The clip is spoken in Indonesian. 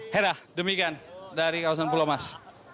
hera demikian dari kawasan pulau mas